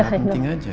mereka penting aja